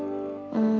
うん。